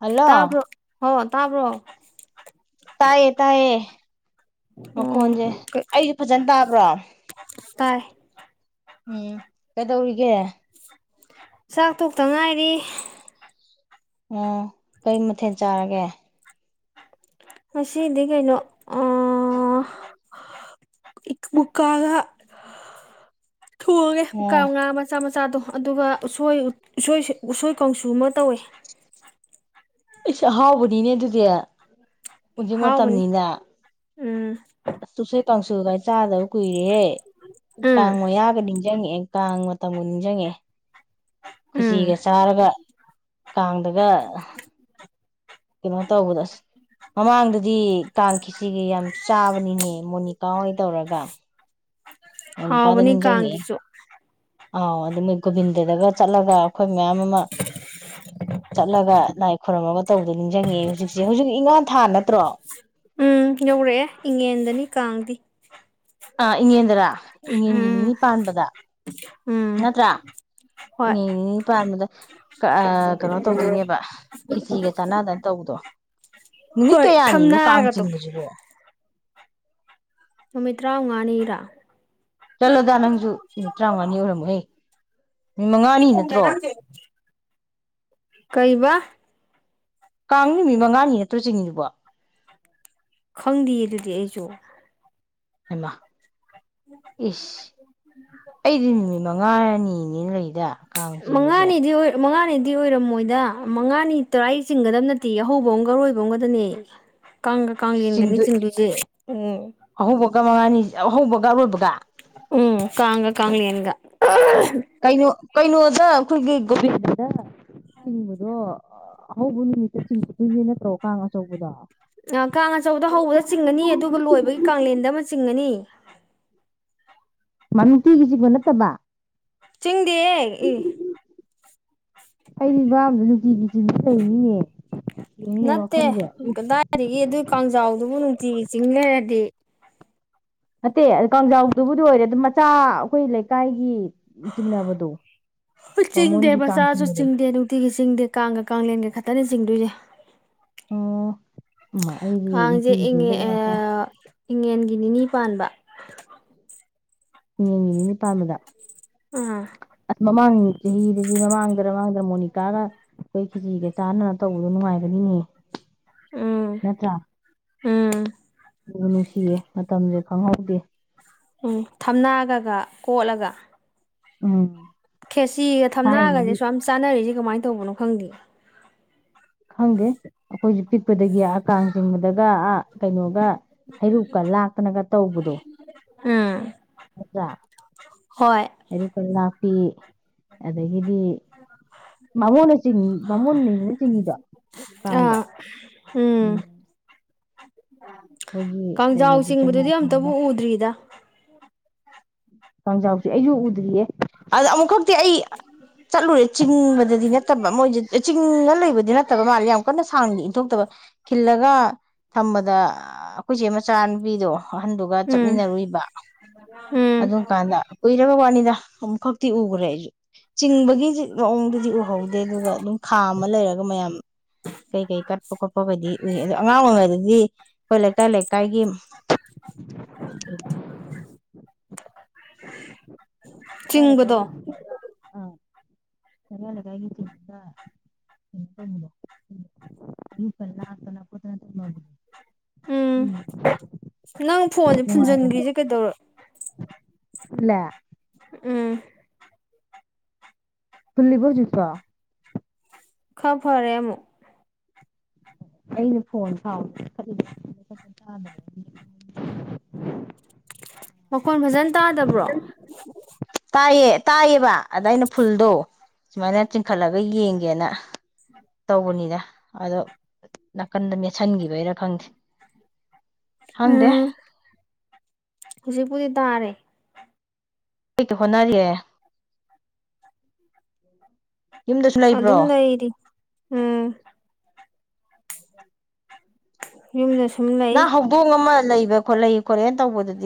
Hello ꯇꯥꯕ꯭ꯔꯣ ꯍꯣ ꯇꯥꯕ꯭ꯔꯣ ꯇꯥꯏꯌꯦ ꯇꯥꯏꯌꯦ ꯎꯝ ꯃꯈꯣꯟꯁꯦ ꯑꯩꯁꯦ ꯐꯖꯅ ꯇꯥꯕ꯭ꯔꯣ ꯇꯥꯏ ꯎꯝ ꯀꯩꯗꯧꯔꯤꯒꯦ ꯆꯥꯛ ꯇꯣꯛꯇꯉꯥꯏꯗꯤ ꯑꯣ ꯀꯩ ꯃꯊꯦꯜ ꯆꯥꯔꯒꯦ ꯃꯁ ꯏꯗꯤ ꯀꯩꯅꯩꯅꯣ ꯑ ꯕꯨꯀꯒ ꯊꯣꯡꯑꯒꯦ ꯃꯨꯀꯥ ꯑꯣ ꯃꯨꯀꯥ ꯃꯆꯥ ꯃꯆꯥ ꯃꯆꯥꯗꯣ ꯑꯗꯨꯒ ꯎ ꯎꯁꯣꯏ ꯀꯥꯡꯁꯨ ꯑꯃ ꯇꯧꯋꯦ ꯑꯩꯁ ꯑꯍꯥꯎꯕꯅꯤꯅꯦ ꯑꯗꯨꯗꯤ ꯍꯧꯖꯤꯛ ꯍꯥꯎꯕꯅꯤ ꯃꯇꯝꯅꯤꯅ ꯎꯝ ꯑ ꯇꯁꯦ ꯇꯥꯡꯁꯨꯒꯥꯏ ꯆꯥꯗꯕ ꯀꯨꯏꯔꯦꯍꯦ ꯎꯝ ꯀꯥꯡꯉ ꯌꯥꯒ ꯅꯤꯡꯁꯤꯡꯉꯛꯦ ꯀꯥꯡ ꯃꯇꯝꯕꯨ ꯅꯤꯡꯁꯤꯡꯉꯦ ꯎꯝ ꯈꯨꯣꯏꯖꯤꯒ ꯆꯥꯔꯒ ꯀꯥꯡꯗꯒ ꯀꯩꯅꯣ ꯇꯧꯕꯗꯣ ꯑꯁ ꯃꯃꯥꯡꯗꯗꯤ ꯀꯥꯡ ꯈꯤꯁꯤꯒ ꯌꯥꯝ ꯆꯥꯕꯅꯤꯅꯦ ꯃꯣꯅꯤꯀꯥ ꯍꯣꯏ ꯇꯧꯔꯒ ꯑꯣꯀꯗ ꯍꯥꯎꯕꯅꯤ ꯅꯤꯡꯖꯉꯦ ꯀꯥꯡꯁꯤꯁꯨ ꯑ ꯑꯗꯨ ꯃꯒꯣꯕꯤꯤꯟꯗꯗꯒ ꯆꯠꯂꯒ ꯑꯩꯈꯣꯏ ꯃꯌꯥꯝ ꯑꯃ ꯆꯠꯂꯒ ꯂꯥꯏ ꯈꯣꯏꯔꯝꯃꯒ ꯇꯧꯕꯗꯣ ꯅꯤꯡꯁꯤꯡꯉꯦ ꯍꯧꯖꯤꯛꯁꯦ ꯍꯧꯖꯤꯛ ꯏꯪꯈꯥꯥꯟ ꯊꯥ ꯅꯠꯇ꯭ꯔꯣ ꯎꯝ ꯌꯧꯔꯛꯑꯦ ꯏꯪꯉꯦꯟꯗꯅꯤ ꯀꯥꯡꯗꯤ ꯑ ꯏꯉꯦꯗ꯭ꯔꯥ ꯏꯉꯟꯒꯤ ꯎꯝ ꯅꯤꯅꯤ ꯄꯥꯟꯕꯗ ꯎꯝ ꯅꯠꯇ꯭ꯔꯥ ꯍꯣꯏ ꯎꯝ ꯄꯥꯔꯃꯤꯗ ꯀꯩꯅꯣ ꯇꯧꯗꯣꯏꯅꯦꯕ ꯈꯤꯆꯤꯒ ꯆꯥꯟꯅꯗꯅ ꯇꯧꯕꯗꯣ ꯅꯨꯃꯤꯠ ꯍꯣꯏ ꯀꯌꯥꯅꯤꯅꯣ ꯀꯥꯡ ꯊꯝꯅꯥꯒꯗꯣ ꯆꯤꯡꯕꯕꯁꯤꯕꯣ ꯍꯃꯤꯠꯇ꯭ꯔꯥ ꯎ ꯉꯅꯤꯔꯥ ꯆꯂꯣꯗꯗꯥ ꯅꯪꯁꯨ ꯅꯨꯃꯤꯠ ꯇꯔꯥꯃꯉꯥꯅꯤ ꯌꯔꯝꯃꯣ ꯑꯩ ꯃꯤ ꯃꯉꯥꯅꯤ ꯅꯠꯇ꯭ꯔꯣ ꯀꯩ ꯋꯥ ꯇꯆꯤꯡꯕ ꯈꯪꯗꯦꯌꯦ ꯑꯗꯨꯗꯤ ꯑꯩꯁꯨ ꯏ ꯏꯁ ꯑꯩꯗꯤ ꯅꯨꯃꯤꯠ ꯃꯉꯥꯅꯤꯅꯤꯅ ꯂꯩꯗ ꯀꯥꯡ ꯆꯤꯡꯕꯁꯦ ꯀꯥꯟꯩꯗꯤ ꯑꯣꯏꯔꯝꯃꯣꯏꯗ ꯃꯉꯥꯅꯤ ꯇꯔꯥ ꯆꯤꯡꯒꯗꯕ ꯅꯠꯇꯦ ꯑꯍꯧꯕ ꯑꯝꯒꯔꯣꯏꯕ ꯑꯃꯝꯒꯗꯅꯦ ꯀꯉ ꯀꯥꯂꯤꯦꯅꯤ ꯆꯤꯡꯦ ꯑꯍꯧꯕ ꯀ ꯃꯉꯅꯤ ꯑꯍꯧꯕ ꯀꯔꯕꯒ ꯎꯝ ꯀꯉ ꯀꯉꯂꯤꯅꯤꯡꯒ ꯀꯩꯅ ꯀꯩꯅꯩꯅꯣ ꯑꯗꯣ ꯑꯩꯈꯣꯏꯒꯤ ꯒꯣꯕꯤꯟꯗꯅ ꯆꯤꯡꯕꯗꯣ ꯑꯍꯧꯕ ꯅꯨꯃꯤꯠꯇ ꯆꯤꯡꯒꯗꯣꯏꯅꯦ ꯅꯠꯇ꯭ꯔꯣ ꯀꯥꯡ ꯑꯆꯧꯕꯗꯣ ꯀꯥꯡ ꯑꯆꯧꯕꯗ ꯍꯧꯕꯗ ꯆꯤꯡꯉꯅꯤ ꯑꯗꯨꯒ ꯂꯣꯏꯕꯒꯤ ꯀꯂꯦꯟꯗ ꯑꯃ ꯆꯤꯡꯉꯅꯤ ꯃꯃꯤꯇꯤꯒꯤꯁꯤꯕ ꯅꯠꯇꯕ ꯆꯤꯡꯗꯤꯌꯦ ꯏ ꯑꯩꯗꯤ ꯚꯕꯥꯝꯗꯨ ꯅꯨꯡꯇꯕꯤ [unintelligible] ꯅꯠꯇꯦ ꯋꯥꯈꯜꯁꯦ ꯀꯗꯥꯏꯗꯒꯤ ꯑꯗꯨ ꯀꯥꯡꯖꯥꯎꯗꯨꯕꯨ ꯅꯨꯡꯇꯤꯒꯤ ꯆꯤꯡ ꯂꯩꯔꯗꯤ ꯅꯠꯇꯦ ꯑꯗꯨ ꯀꯥꯡꯖꯥꯎꯗꯨꯕꯨꯗꯤ ꯑꯣꯏꯔꯦ ꯑꯗꯣ ꯃꯆꯥ ꯑꯩꯈꯣꯏ ꯂꯩꯀꯥꯏꯒꯤ ꯆꯤꯡꯅꯕꯗꯣ ꯆꯤꯡꯗꯦ ꯕꯥꯃꯣꯟꯒꯤ ꯀꯥꯡ ꯃꯆꯥꯁꯨ ꯆꯤꯡꯕꯗꯣ ꯆꯤꯡꯗꯦ ꯅꯨꯡꯇꯤꯒꯤ ꯆꯤꯡꯗꯦ ꯀꯥꯡꯒ ꯀꯥꯡꯂꯦꯟꯒ ꯈꯛꯇꯅꯤ ꯆꯤꯡꯗꯣꯏꯅꯦ꯫ ꯑꯣ ꯑꯩꯗꯤ ꯀꯥꯡꯁꯦ ꯅꯨꯡꯇꯤꯒꯤ ꯏꯉꯦ ꯆꯤꯡꯕꯣꯏ ꯉꯥꯛꯇ ꯑ ꯏꯉꯦꯟꯒꯤ ꯅꯤꯅꯤ ꯄꯥꯟꯕ꯫ ꯏꯉꯦꯟꯒꯤ ꯄꯥꯟꯕꯗ ꯑ ꯑꯁ ꯃꯃꯥꯡ ꯆꯍꯤꯗꯗꯤ ꯃꯃꯥꯡꯗ ꯃꯃꯥꯡꯗ ꯃꯣꯅꯤꯀꯥꯅ ꯑꯩꯈꯣꯏ ꯈꯦꯆꯔꯤꯒ ꯆꯥꯟꯅꯗꯅ ꯇꯧꯕꯗꯣ ꯅꯨꯡꯉꯥꯏꯕꯅꯤꯅꯦ꯫ ꯎꯝ ꯅꯠꯇ꯭ꯔ ꯎꯝ ꯅꯨꯡꯁꯤꯌꯦ ꯃꯇꯝꯁꯦ ꯈꯪꯍꯧꯗꯦ ꯎꯝ ꯊꯝꯅꯥꯒꯒ ꯀꯣꯠꯂꯒ ꯎꯝ ꯈꯦꯆꯔꯤꯒ ꯊꯝꯅꯒꯁꯦ ꯊꯥꯏꯅꯗꯤ ꯑꯥꯁꯨꯛꯌꯥꯝ ꯆꯥꯅꯔꯤꯁꯤ ꯀꯃꯥꯏꯅ ꯇꯧꯕꯅꯣ ꯈꯪꯗꯦ ꯈꯪꯗꯦ ꯑꯩꯈꯣꯏꯁꯨ ꯄꯤꯛꯄꯗꯒꯤ ꯀꯥꯡ ꯆꯤꯡꯕꯗꯒ ꯑ ꯀꯩꯅꯣꯒ ꯍꯩꯔꯨꯛꯀ ꯂꯥꯠꯇꯅꯒ ꯇꯧꯕꯗꯣ ꯎꯝ ꯅꯠꯇꯔꯥ ꯍꯣꯏ ꯍꯩꯔꯨꯛꯀ ꯂꯥꯠꯄ ꯄ ꯑꯗꯒꯤꯗꯤ ꯕꯥꯃꯣꯟꯅ ꯕꯥꯃꯣꯟꯅꯅꯤꯅꯥ ꯆꯤꯡꯉꯤꯗꯣ ꯑꯥ ꯑꯣꯝ [inaudible] ꯑꯗꯨ [unintelligible] ꯀꯥꯡꯖꯥꯎ ꯆꯣꯡꯉꯥ ꯆꯤꯡꯕꯗꯨꯗꯤ ꯑꯝꯇꯕꯨ ꯊꯥꯔꯒ ꯎꯗ꯭ꯔꯤꯗ꯫ ꯎ [inaudible] ꯀꯥꯡꯖꯥꯎꯁꯦ ꯑꯩꯁꯨ ꯎꯗ꯭ꯔꯤꯌꯦ꯫ ꯑꯗ ꯑꯃꯨꯛꯈꯛꯇꯤ ꯑꯩ ꯆꯠꯂꯨꯔꯦ ꯆꯤꯡꯕꯗꯗꯤ ꯅꯠꯇꯕ ꯃꯣꯏ ꯆꯤꯡꯉ ꯂꯩꯕꯗꯤ ꯅꯠꯇꯕ ꯃꯥꯜꯂꯦ ꯌꯥꯝ ꯀꯟꯅ ꯁꯥꯡ ꯏꯟꯊꯣꯛꯇꯕ ꯈꯤꯜꯂꯒ ꯊꯝꯕ ꯗ ꯑꯩꯈꯣꯏ ꯆꯦ ꯃꯆꯥꯅꯨꯄꯤꯗꯣ ꯑꯍꯟꯗꯨꯒ ꯎꯝ ꯆꯠꯃꯤꯟꯅꯔꯨꯏꯕ ꯎꯝ ꯑꯗꯨꯝ ꯀꯥꯟꯗ ꯀꯨꯏꯔꯕ ꯋꯥꯅꯤꯗ ꯑꯃꯨꯛꯈꯛ ꯑꯤ ꯎꯒ꯭ꯔ ꯆꯤꯡꯕꯒꯤ ꯍꯧꯖꯤ ꯃꯑꯣꯡꯗꯨꯗꯤ ꯎꯍꯧꯗꯦ ꯑꯗꯨꯒ ꯑꯗꯨꯝ ꯈꯥ ꯑꯃ ꯂꯩꯔꯒ ꯃꯌꯥꯝ ꯀꯩ ꯀꯩ ꯀꯠꯄ ꯈꯣꯠꯄꯒꯩꯗꯤ ꯎꯏ ꯑꯣ ꯑꯉꯥꯡ ꯑꯣꯏꯔꯤꯉꯩꯗꯗꯤ ꯑꯩꯈꯣꯏ ꯂꯩꯀꯥꯏ ꯂꯩꯀꯥꯏꯒꯤ ꯀꯔꯦ ꯀꯒꯤ ꯆꯤꯡꯕꯗꯣ ꯑꯥ ꯂꯩꯀꯥꯏ ꯂꯩꯀꯥꯏꯒꯤ ꯆꯗ ꯀꯩꯅꯣ ꯇꯧꯕꯗꯣ ꯑꯨ ꯐꯅꯄꯅ ꯈꯣꯠꯇꯅ ꯊꯝꯃꯕꯗꯣ ꯎꯝ ꯅꯪ ꯐꯣꯟꯁꯦ ꯐꯨꯟꯖꯟꯈꯔꯤꯁꯦ ꯀꯩꯗꯧꯔ ꯂ ꯎꯝ ꯐꯜꯂꯤꯕ ꯀ ꯈ ꯐꯔꯦꯃꯣ ꯑꯩꯅ ꯐꯣꯟꯥꯎꯂꯤ ꯃꯈꯣꯟ ꯐꯖꯅ ꯇꯥꯗꯕ꯭ꯔꯣ ꯇꯥꯏꯌꯦ ꯇꯥꯏꯌꯦꯕ ꯑꯗ ꯑꯩꯅ ꯐꯨꯜꯗꯣ ꯁꯨꯃꯥꯏꯅ ꯆꯤꯡꯈꯠꯂꯒ ꯌꯦꯡ ꯌꯦꯅ ꯇꯒꯅꯤꯗ ꯑꯗꯣ ꯅꯥꯀꯟꯗ ꯃꯦꯠꯁꯤꯟꯈꯤꯕꯩꯔꯥ ꯈꯪꯗꯦ ꯍꯪꯗꯦ ꯍꯨꯖꯤ ꯄꯨꯨꯖꯤ ꯇꯥꯔꯦ ꯍꯛꯇ ꯍꯣꯠꯅꯔꯤꯌꯦ ꯌꯨꯝꯗꯁꯨ ꯑꯗꯨ ꯂꯩꯕ꯭ꯔꯣ ꯑꯗꯨꯝ ꯂꯏꯔꯤ ꯎꯝ ꯌꯦꯉꯗꯁ ꯅ ꯍꯧꯗꯣꯡ ꯑꯃ ꯂꯩꯕ ꯈꯣꯠꯛꯏ ꯈꯣꯠꯂꯦ ꯇꯧꯕꯗꯨꯗꯤ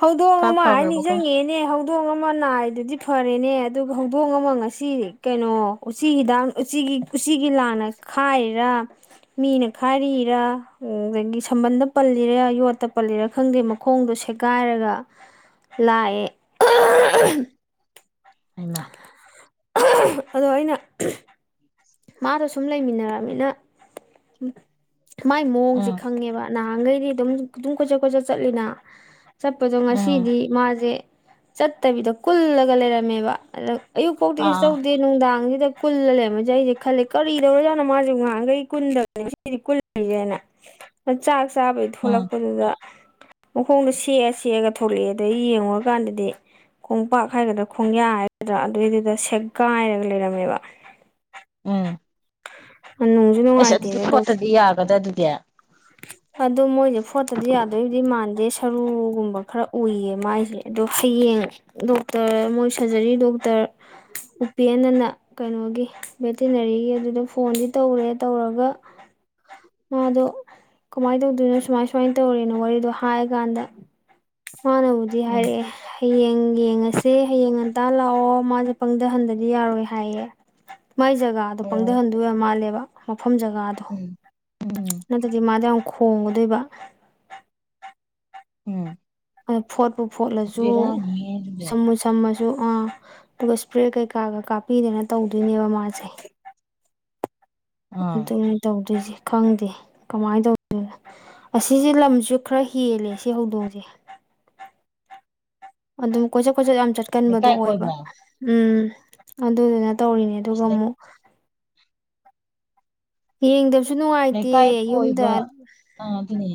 ꯍꯧꯗꯣꯡ ꯈꯔ ꯑꯃ ꯍꯥꯏ ꯐꯈ꯭ꯔꯕꯀꯣ ꯅꯤꯡꯁꯤꯡꯉꯛꯦꯅꯦ ꯍꯧꯗꯣꯡ ꯑꯃ ꯅꯥꯏꯗꯨꯗꯤ ꯐꯔꯦꯅꯦ ꯑꯗꯨꯒ ꯍꯧꯗꯣꯡ ꯑꯃ ꯉꯁꯤ ꯀꯩꯅꯣ ꯎꯆꯤ ꯍꯤꯗꯥꯛ ꯎꯆꯤꯒꯤ ꯎꯆꯤꯒꯤ ꯂꯥꯟꯅ ꯈꯥꯏꯔꯤꯔꯥ ꯃꯤꯅ ꯈꯥꯏꯔꯤꯔꯥ ꯑꯗꯒꯤ ꯁꯝꯕꯟꯗ ꯄꯜꯂꯤꯔ ꯌꯣꯠꯇ ꯄꯜꯂꯤꯔꯥ ꯈꯪꯗꯦ ꯃꯈ ꯈꯣꯡꯗꯣ ꯁꯦꯒꯥꯏꯔꯒ ꯂꯥꯛꯑꯦ ꯑꯃ ꯑꯗꯣ ꯑꯩꯅ ꯃꯥꯗꯣ ꯁꯨꯝ ꯂꯩꯃꯤꯟꯅꯔꯃꯤꯅ ꯃꯥꯏ ꯃꯑꯣꯡꯁꯦ ꯎꯝ ꯈꯪꯉꯦꯕ ꯅꯍꯥꯟꯈꯩꯗꯤ ꯑꯗꯨꯝ ꯑꯗꯨꯝ ꯀꯣꯏꯆꯠ ꯀꯣꯏꯆꯠ ꯆꯠꯂꯤꯅ ꯆꯠꯄꯗꯣ ꯎꯝ ꯉꯁꯤꯗꯤ ꯃꯥꯁꯦ ꯆꯠꯇꯕꯤꯗꯣ ꯀꯨꯜꯂꯒ ꯂꯩꯔꯝꯃꯦꯕ ꯑꯗ ꯑꯌꯨꯛ ꯀꯧꯗꯤꯤꯁꯨ ꯑꯥ ꯇꯧꯗꯦ ꯅꯨꯡꯗꯥꯡꯁꯤ ꯐꯨꯜꯂ ꯂꯦ ꯃꯖ ꯈꯜꯂꯤꯦ ꯀꯔꯤꯗꯧꯔꯖꯥꯅꯣ ꯃꯥꯁꯦ ꯉꯍꯥꯡꯈꯩ ꯀꯨꯟꯗꯕꯅꯤ ꯁꯤꯗꯤ ꯀꯨꯜꯂꯤꯁꯦꯅ ꯆ ꯆꯥꯕꯩ ꯎꯝ ꯊꯣꯛꯂꯛꯄꯗꯨꯗ ꯃꯈꯣꯡꯗꯣ ꯁꯦꯛꯑ ꯁꯦꯛꯑꯒ ꯊꯣꯛꯂꯛꯑꯦ ꯑꯗꯨꯗ ꯌꯦꯡꯉꯨꯔꯀꯥꯟꯗꯗꯤ ꯈꯣꯡꯄꯥꯛ ꯍꯥꯏꯒꯗ꯭ꯔꯥ ꯈꯣꯡꯌꯥ ꯍꯥꯏꯒꯗ꯭ꯔꯥ ꯑꯗꯨꯏꯗꯨꯗ ꯁꯦꯛꯒꯥꯏꯔꯒ ꯂꯩꯔꯝꯃꯦꯕ ꯎꯝ ꯅꯨꯡꯁꯨ ꯑꯁ ꯑꯗꯨꯗꯤ ꯅꯨꯡꯉꯥꯏꯇꯦꯗ ꯗꯣꯛꯇꯔ ꯄꯣꯠꯇꯗꯤ ꯌꯥꯒꯗ꯭ꯔ ꯑꯗꯨꯗꯤ ꯀꯌꯥ ꯑꯗꯣ ꯃꯣꯏꯁꯦ ꯐꯣꯠꯇꯗꯤ ꯌꯥꯗꯣꯏꯕꯨꯗꯤ ꯃꯥꯟꯗꯦ ꯁꯔꯨꯒꯨꯝꯕ ꯈꯔ ꯎꯏꯌꯦ ꯃꯥꯏꯁꯦ ꯑꯗꯣ ꯍꯌꯦꯡ ꯗꯣꯛꯇꯔ ꯃꯣꯏ ꯁꯔꯖꯔꯤ ꯗꯣꯛꯇꯔ ꯎꯄꯦꯅꯅ ꯀꯩꯅꯣꯒꯤ ꯚꯦꯇꯤꯅꯔꯤꯒꯤ ꯑꯗꯨꯗ ꯐꯣꯟꯗꯤ ꯇꯧꯔꯦ ꯇꯧꯔꯒ ꯃꯥꯗꯣ ꯀꯃꯥꯏꯅ ꯇꯧꯗꯣꯏꯅꯣ ꯁꯨꯃꯥꯏ ꯁꯨꯃꯥꯏ ꯇꯧꯔꯤꯅꯣ ꯋꯥꯔꯤꯗꯣ ꯍꯥꯏ ꯀꯥꯟꯗ ꯃꯥꯅꯕꯨꯗꯤ ꯎꯝ ꯍꯥꯏꯔꯛꯑꯦ ꯍꯌꯦꯡ ꯌꯦꯡꯉꯁꯦ ꯍꯌꯦꯡ ꯍꯇꯥ ꯂꯥꯛꯑꯣ ꯃꯥꯁꯦ ꯄꯪꯊꯍꯟꯗꯗꯤ ꯌꯥꯔꯣꯏ ꯍꯥꯏꯌꯦ ꯃꯥꯏ ꯖꯒꯥꯗꯣ ꯑꯣ ꯄꯪꯊꯍꯟꯗꯣꯏꯕ ꯃꯥꯜꯂꯦꯕ ꯃꯐꯝ ꯖꯒꯥꯗꯣ ꯎꯝ ꯎꯝ ꯍꯥꯏꯗꯤ ꯃꯥꯗ ꯌꯥꯝ ꯈꯣꯡꯒꯗꯣꯏꯕ ꯎꯝ ꯑꯣ ꯐꯣꯠ ꯨ ꯑꯁ ꯐꯣꯠꯂꯁꯨ ꯕꯦꯔꯥꯅꯤꯍꯦ ꯑꯗꯨꯗꯤ ꯁꯃꯨ ꯁꯃ ꯁꯨ ꯑꯥ ꯑꯗꯨꯒ ꯏꯁꯄ꯭ꯔꯦ ꯀꯩꯀꯥꯒ ꯀꯥꯞꯄꯤꯗꯅ ꯇꯧꯗꯣꯏꯅꯦꯕ ꯃꯥꯁꯦ ꯑꯥ ꯑꯗꯨꯅ ꯇꯧꯗꯣꯏꯁꯦ ꯈꯪꯗꯦ ꯀꯃꯥꯏꯅ ꯇꯧꯣꯏꯅꯅꯣ ꯑꯁꯤꯁꯦ ꯂꯝꯁꯨ ꯈꯔ ꯍꯦꯜꯂꯦ ꯁꯤ ꯍꯧꯗꯣꯡꯁꯦ ꯑꯗꯨꯝ ꯀꯣꯏ ꯈꯣꯏꯆꯠ ꯌꯥꯝ ꯆꯠꯀꯟꯕꯗꯨꯣ ꯂꯩꯀꯥꯏ ꯑꯣꯏꯕ ꯀꯣꯏꯕ꯭ꯔꯥ ꯎꯝ ꯑꯗꯨꯗ ꯇꯧꯔꯤꯅꯦ ꯑꯗꯨꯒ ꯑꯁ ꯑꯃꯨꯛ ꯌꯦꯡꯗ ꯂꯩꯀꯥꯏ ꯀꯣꯏꯕ ꯑ ꯑꯗꯨꯅꯦ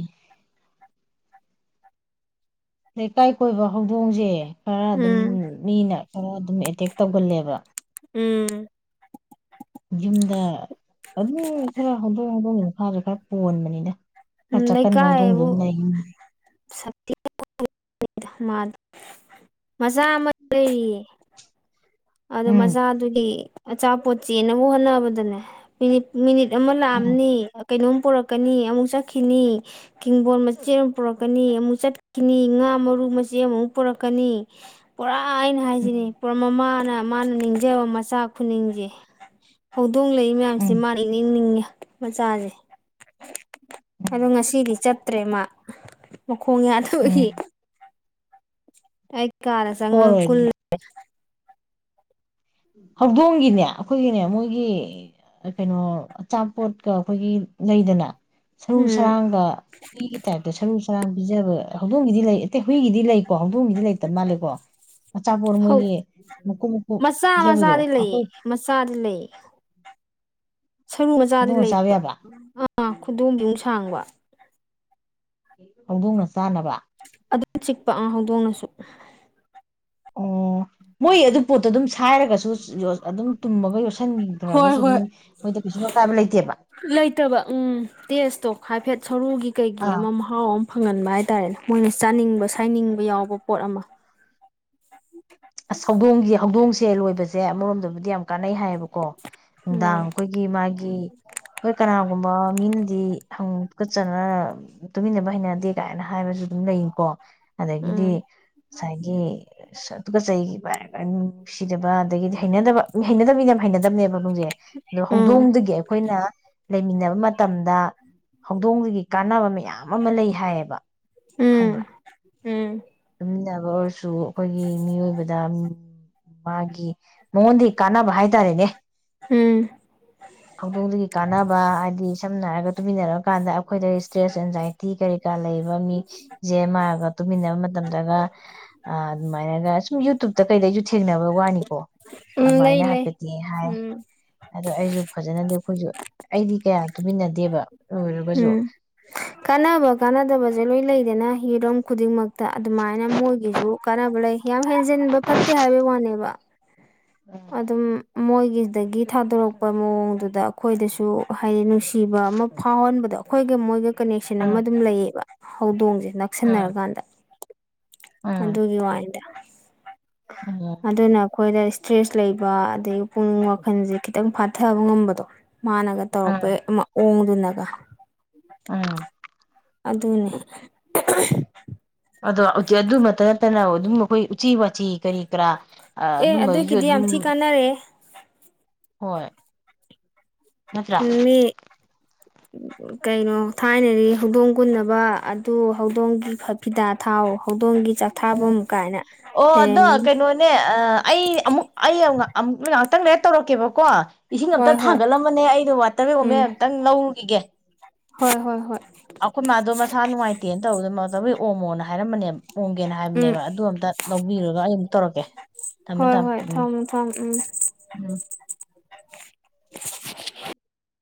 ꯂꯩꯀꯥꯏ ꯀꯣꯏꯕ ꯍꯧꯗꯣꯡꯁꯦ ꯈꯔ ꯑꯗꯨꯝ ꯎꯝ ꯃꯤꯅ ꯈꯔ ꯑꯗꯨꯝ ꯑꯦꯇꯦꯛ ꯇꯧꯒꯜꯂꯦꯕ ꯎꯝ ꯌꯨꯝꯗ ꯑꯗꯨꯝ ꯈꯔ ꯍꯧꯗꯣꯛ ꯍꯧꯗꯣꯡ ꯃꯈꯥꯁꯨ ꯈꯔ ꯄꯣꯟꯕꯅꯤꯅ ꯎꯝ ꯆꯀꯟ ꯂꯩꯀꯥꯏꯕꯨ ꯅꯧꯗꯗꯨꯝ ꯂꯩ ꯁꯛꯇꯤ ꯃꯆꯥ ꯑꯃ ꯂꯩꯔꯤꯌꯦ ꯑꯗꯨꯣ ꯎꯝ ꯃꯆꯥꯗꯨꯗꯤ ꯑꯆꯥꯄꯣꯠ ꯆꯦꯟꯅꯅꯕ ꯍꯣꯠꯅꯕꯗꯅꯦ ꯃꯤꯅꯤꯠ ꯑꯃ ꯎꯝ ꯂꯑꯅꯤ ꯀꯩꯅꯣꯝ ꯄꯨꯔꯛꯀꯅꯤ ꯑꯃꯨꯛ ꯆꯠꯈꯤꯅꯤ ꯀꯤꯡꯗꯝꯡꯕꯣꯣꯟ ꯃꯆꯦ ꯑꯃ ꯄꯨꯔꯛꯀꯅꯤ ꯑꯃꯨꯛ ꯆꯠꯈꯤꯅꯤ ꯉꯥ ꯃꯔꯨ ꯃꯆꯦ ꯑꯃꯃꯨꯛ ꯄꯨꯔꯛꯀꯅꯤ ꯄꯨꯔꯥ ꯑꯥ ꯑꯩꯅ ꯎꯝ ꯍꯥꯏꯁꯤꯅꯦ ꯄꯨꯔꯥ ꯃꯃꯥ ꯅ ꯃꯥꯅ ꯅꯤꯡꯖꯕ ꯃꯆꯥ ꯈꯨꯗꯤꯁꯦ ꯍꯧꯗꯣꯡ ꯂꯩ ꯃꯌꯥꯝꯁꯦ ꯎꯝ ꯃꯥ ꯏꯅꯤꯡꯅꯤꯡꯉꯤ ꯃꯆꯥꯁꯦ ꯑꯗꯣ ꯎꯝ ꯉꯁꯤꯗꯤ ꯆꯠꯇ꯭ꯔꯦ ꯃꯥ ꯈꯣꯡꯉꯌꯥ ꯎꯝ ꯊꯣꯛꯏ ꯑꯩ ꯀꯔꯁꯉ ꯊꯣꯛꯑꯔꯣꯏ ꯀ ꯍꯧꯗꯣꯡꯒꯤꯅꯦ ꯑꯩꯈꯣꯏꯒꯤꯅꯦ ꯃꯣꯏꯒꯤ ꯀꯩꯅꯣ ꯑꯆꯥꯄꯣꯠꯀ ꯑꯩꯈꯣꯏꯒꯤ ꯂꯩꯗꯅ ꯁꯔꯨ ꯎꯝ ꯁꯔꯥꯡꯗ ꯍꯨꯔꯤꯒꯤ ꯇꯥꯏꯞꯇ ꯁꯔꯨ ꯆꯔꯥꯡ ꯄꯤꯖꯕ ꯍꯧꯗꯣꯡꯒꯤꯗꯤ ꯂꯩ ꯑꯇꯩ ꯍꯨꯏꯒꯤꯗꯤ ꯂꯩꯀꯣ ꯑꯗꯨꯒꯤꯗꯤ ꯂꯩꯇꯕ ꯃꯥꯜꯂꯦꯀꯣ ꯃꯆꯥꯄꯣꯠ ꯃꯣꯏꯒꯤ ꯃꯀꯨꯞ ꯃꯀꯨꯞ ꯃꯆꯥ ꯄꯤꯖꯕꯗꯣ ꯃꯆꯥꯗꯤ ꯂꯩꯌꯦ ꯑꯩꯈꯣꯏ ꯃꯆꯥꯗꯤ ꯂꯩꯌꯦ ꯁꯔꯨ ꯃꯆꯥꯗꯤ ꯍꯧꯗꯣꯡꯅ ꯆꯥꯕ ꯂꯩꯌꯦꯕ ꯌꯥꯕ ꯑꯥ ꯈꯨꯗꯣꯝꯕꯤꯃꯅꯨꯡ ꯁꯥꯡꯕ ꯍꯧꯗꯣꯡꯅ ꯆꯥꯅꯕ ꯑꯗꯨꯝ ꯆꯤꯛꯄ ꯍꯧꯗꯣꯡꯅꯁꯨ ꯑꯣ ꯃꯣꯏ ꯑꯗꯨ ꯄꯣꯠꯇꯣ ꯑꯗꯨꯝ ꯁꯥꯏꯔꯒꯁꯨ ꯑꯗꯨꯝ ꯇꯨꯝꯃꯒ ꯌꯣꯠꯁꯤꯟꯗ꯭ꯔꯒꯁꯨ ꯑꯗꯨꯝ ꯃꯣꯏꯗ ꯀꯩꯁꯨ ꯑꯀꯥꯏꯕ ꯂꯩꯇꯦꯕ ꯈ ꯍꯥꯏꯥꯏꯐꯦꯠ ꯁꯔꯨꯒꯤ ꯀꯩꯒꯤ ꯑꯥ ꯑꯃ ꯃꯍꯥꯎ ꯑꯃ ꯐꯪꯍꯟꯕ ꯍꯥꯏꯇꯥꯔꯦꯅꯦ ꯃꯣꯏꯅ ꯆꯥꯅꯤꯡꯕ ꯁꯥꯏꯅꯤꯡꯕ ꯌꯥꯎꯕ ꯄꯣꯠ ꯑꯃ ꯑꯁ ꯍꯧꯗꯣꯡꯒꯤ ꯍꯧꯗꯣꯡꯁꯦ ꯂꯣꯏꯕꯁꯦ ꯑꯃꯔꯣꯝꯗꯕꯨꯗꯤ ꯌꯥꯝ ꯀꯥꯟꯅꯩ ꯍꯥꯏꯌꯦꯕꯀꯣ ꯅꯨꯡꯗꯥꯡ ꯎꯝ ꯑꯩꯈꯣꯏꯒꯤ ꯃꯥꯒꯤ ꯑꯩꯈꯣꯏ ꯀꯅꯥꯒꯨꯝꯕ ꯃꯤꯅꯗꯤꯪ ꯀꯠꯆꯅ ꯇꯨꯃꯤꯟꯅꯕ ꯍꯩꯅꯗꯦ ꯀꯥꯏꯅ ꯍꯥꯏꯕꯁꯨ ꯑꯗꯨꯝ ꯂꯩꯀꯣ ꯎꯝ ꯑꯗꯒꯤꯗꯤ ꯉꯁꯥꯏꯒꯤ ꯀ ꯆꯩ ꯅꯨꯡꯁꯤꯗꯕ ꯑꯗꯒꯤꯗꯤ ꯍꯩꯅꯗꯕ ꯍꯩꯅꯗꯕ ꯃꯤꯅꯦ ꯌꯥꯝ ꯍꯩꯅꯗꯕꯅꯦꯕ ꯈꯁꯦ ꯑꯗ ꯎꯝ ꯍꯧꯗꯣꯡꯗꯨꯒꯤ ꯑꯩꯈꯣꯏꯅ ꯂꯩꯃꯤꯟꯅꯕ ꯃꯇꯝꯗ ꯍꯧꯗꯣꯡꯗꯨꯒꯤ ꯀꯥꯟꯅꯕ ꯃꯌꯥꯝ ꯑꯃ ꯂꯩ ꯍꯥꯏꯌꯦꯕ ꯎꯝ ꯈꯪꯕ꯭ꯔꯥ ꯎꯝ ꯑꯗꯨꯝꯕ ꯁꯨ ꯑꯩꯈꯣꯏꯒꯤ ꯃꯤꯑꯣꯏꯕꯗ ꯃꯥꯒꯤ ꯃꯣꯟ ꯀꯥꯟ ꯥꯏ ꯇꯔꯦꯅꯦ ꯎꯝ ꯍꯧꯗꯣꯡꯗꯒꯤ ꯀꯥꯟꯅꯕ ꯍꯥꯏꯗꯤ ꯁꯝꯅ ꯍꯥꯏꯔꯒ ꯇꯨꯃꯤꯟꯅꯔ ꯀꯥꯟꯗ ꯑꯩꯈꯣꯏꯗ ꯏꯁ꯭ꯇ꯭ꯔꯦꯁ ꯑꯦꯟꯖꯥꯏꯇꯤ ꯀꯔꯤ ꯀꯥ ꯂꯩꯕ ꯃꯤ ꯦ ꯃꯥꯒꯔꯣ ꯄꯤꯅꯕ ꯃꯇꯝꯗꯒ ꯑꯗꯨꯃꯥꯏꯅꯒ ꯁꯨꯝ ꯌꯨꯇꯕꯇ ꯀꯩꯗꯩꯁꯨ ꯊꯦꯡꯅꯕ ꯋꯥꯅꯤꯀꯣ ꯎꯝ ꯂꯩ ꯑꯗꯨꯃꯥꯏꯅ ꯂꯩ ꯍꯥꯏꯄꯦꯗꯤ ꯍꯥꯏ ꯎꯝ ꯑꯗꯣ ꯑꯩꯁꯨ ꯐꯖꯅꯗꯤ ꯑꯩꯈꯣꯏꯁꯨ ꯑꯩꯗꯤ ꯀꯌꯥ ꯇꯨꯃꯤꯟꯅꯗꯦꯕ ꯑꯣꯏꯒꯁꯨ ꯎꯝ ꯀꯥꯟꯅꯕ ꯀꯥꯟꯅꯗꯕꯁꯦ ꯂꯣꯏꯅ ꯂꯩꯗꯅ ꯍꯤꯔꯝ ꯈꯨꯗꯤꯡꯃꯛꯇ ꯑꯗꯨꯃꯥꯏꯅ ꯃꯣꯏꯒꯤꯁꯨ ꯀꯥꯟꯅꯕ ꯂꯩ ꯌꯥꯝ ꯍꯦꯟꯖꯤꯟꯕ ꯐꯠꯇꯦ ꯍꯥꯏꯕꯩ ꯋꯥꯅꯦꯕ ꯑꯗꯨꯝ ꯃꯣꯏꯒꯤꯗꯒꯤ ꯊꯥꯗꯣꯔꯛꯄ ꯃꯑꯣꯡꯗꯨꯗ ꯑꯩꯈꯣꯏꯗꯁꯨ ꯍꯥꯏꯗꯤ ꯅꯨꯡꯁꯤꯕ ꯑꯃ ꯐꯥꯎꯍꯟꯕꯗꯣ ꯑꯩꯈꯣꯏꯒ ꯃꯣꯏꯒ ꯀꯅꯦꯛꯁꯟ ꯑꯃ ꯎꯝ ꯑꯗꯨꯝ ꯂꯩꯌꯦꯕ ꯍꯧꯗꯣꯡꯁꯦ ꯎꯝ ꯅꯛꯁꯤꯟꯅꯔꯀꯥꯟꯗ ꯎꯝ ꯑꯗꯨꯒꯤ ꯋꯥꯗ ꯎꯝ ꯑꯗꯨꯅ ꯑꯩꯈꯣꯏꯗ ꯏꯁꯇ꯭ꯔꯦꯁ ꯂꯩꯕ ꯑꯗꯒꯤ ꯄꯨꯛꯅꯤꯡ ꯋꯥꯈꯟꯁꯦ ꯈꯤꯇꯪ ꯐꯥꯊꯕ ꯉꯝꯕꯗꯣ ꯃꯥꯅꯒ ꯇꯧꯔꯛꯄ ꯑꯗꯨꯅꯒ ꯑꯥ ꯑꯗꯨꯅꯦ ꯑꯗꯣ ꯑꯗꯨꯃꯛꯇ ꯅꯠꯇꯅ ꯑꯗꯨꯝ ꯑꯩꯈꯣꯏ ꯎꯆꯤ ꯋꯥꯆꯤ ꯀꯔꯤ ꯀꯔꯥ ꯑꯦ ꯑꯗꯨꯝꯕꯒꯤꯁꯨ ꯑꯗꯨꯒꯤꯗꯤ ꯑꯗꯨꯝ ꯌꯥꯝ ꯊꯤ ꯀꯥꯟꯅꯔꯦ ꯍꯣꯏ ꯅꯠꯇ꯭ꯔꯥ ꯎ ꯃꯤ ꯀꯩꯩꯅꯣ ꯊꯥꯏꯅꯔꯤ ꯍꯧꯗꯣꯡ ꯀꯨꯅꯕ ꯑꯗꯨ ꯍꯧꯗꯣꯡꯒꯤ ꯐ ꯐꯤꯗꯥ ꯊꯥꯎ ꯍꯧꯗꯣꯡꯒꯤ ꯎꯝ ꯆꯥꯛꯊꯥꯐꯝ ꯀꯥꯏꯅ ꯑꯣ ꯑꯗꯣ ꯂꯩꯔꯝꯃꯤ ꯀꯩꯅꯣꯅꯦ ꯑꯩ ꯑꯃꯨꯛ ꯑꯩ ꯈꯤꯇꯪ ꯔꯦꯠ ꯇꯧꯔꯛꯀꯦꯕꯀꯣ ꯏꯁꯤꯡ ꯑꯝꯇ ꯍꯣꯏ ꯍꯣꯏ ꯊꯥꯡꯒꯠꯂꯝꯕꯅꯦ ꯑꯩꯗꯣ ꯋꯥꯇꯔꯃꯦꯒꯃꯦꯦꯟ ꯎꯝ ꯑꯝꯛꯇꯪ ꯂꯧꯔꯨꯈꯤꯒꯦ ꯍꯣꯏ ꯍꯣꯏ ꯍꯣꯏ ꯑꯩꯈꯣꯏ ꯃꯥꯗꯣ ꯃꯁꯥ ꯅꯨꯡꯉꯥꯏꯇꯦꯅ ꯇꯧꯕꯗ ꯇꯧꯒꯤ ꯑꯣꯃꯣꯅ ꯍꯥꯏꯔꯝꯕꯅꯦꯕ ꯍꯣꯡꯒꯦꯅ ꯎꯝ ꯍꯥꯏꯕꯅꯦꯕ ꯑꯗꯨ ꯑꯝꯇ ꯂꯧꯕꯤꯔꯨꯔꯒ ꯑꯩ ꯑꯃꯨꯛ ꯇꯧꯔꯛꯀꯦ ꯊꯝꯃꯦ ꯍꯣꯏ ꯊꯝꯃꯦ ꯍꯣꯏ ꯎꯝ ꯊꯝꯃꯣ ꯊꯝꯃꯣ ꯎꯝ ꯎꯝ [unintelligible]